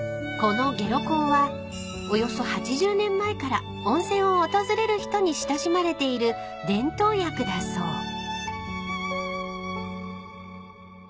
［この下呂膏はおよそ８０年前から温泉を訪れる人に親しまれている伝統薬だそう］